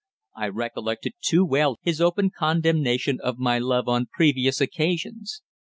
I recollected too well his open condemnation of my love on previous occasions.